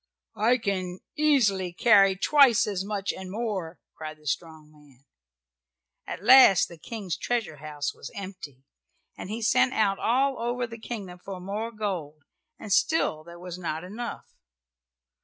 "I can easily carry twice as much, and more," cried the strong man. At last the King's treasure house was empty, and he sent out all over the kingdom for more gold, and still there was not enough.